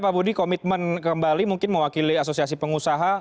pak budi komitmen kembali mungkin mewakili asosiasi pengusaha